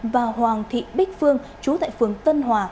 và hoàng thị bích phương chú tại phường tân hòa